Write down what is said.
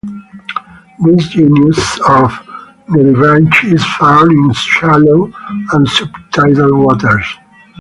This genus of nudibranch is found in shallow and subtidal waters.